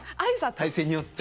体勢によって。